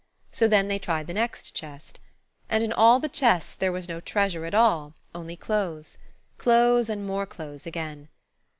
So then they tried the next chest. And in all the chests there was no treasure at all–only clothes. Clothes, and more clothes again.